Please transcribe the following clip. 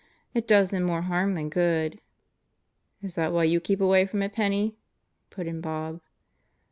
It does them more harm than good." "Is that why you keep away from it, Penney?" put in Bob.